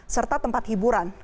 serta tempat hiburan